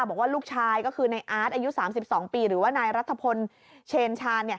บอกว่าลูกชายก็คือในอาร์ตอายุ๓๒ปีหรือว่านายรัฐพลเชนชาญ